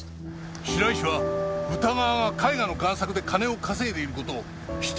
白石は宇田川が絵画の贋作で金を稼いでいる事を知っていたのか？